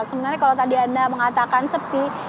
sebenarnya kalau tadi anda mengatakan sepi